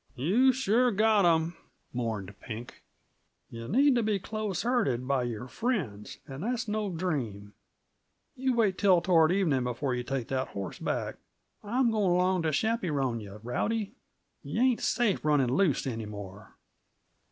"You've sure got 'em," mourned Pink. "Yuh need t' be close herded by your friends, and that's no dream. You wait till toward evening before yuh take that horse back. I'm going along t' chappyrone yuh, Rowdy. Yuh ain't safe running loose any more."